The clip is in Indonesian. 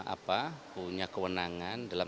apa punya kewenangan dalam